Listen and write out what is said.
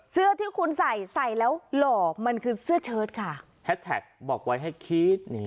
เสื้อที่คุณใส่ใส่แล้วหล่อมันคือเสื้อเชิดค่ะแฮชแท็กบอกไว้ให้คิด